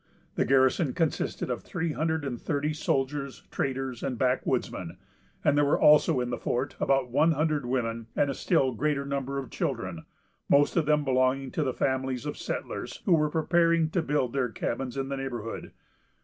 The garrison consisted of three hundred and thirty soldiers, traders, and backwoodsmen; and there were also in the fort about one hundred women, and a still greater number of children, most of them belonging to the families of settlers who were preparing to build their cabins in the neighborhood.